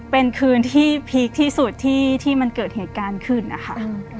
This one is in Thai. เป็นคืนที่พีคที่สุดที่มันเกิดเหตุการณ์ขึ้นนะคะ